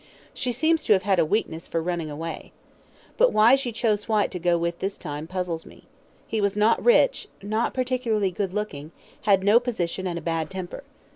She seems to have had a weakness for running away. But why she chose Whyte to go with this time puzzles me. He was not rich, not particularly good looking, had no position, and a bad temper.